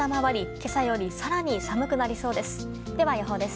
今朝より更に寒くなりそうです。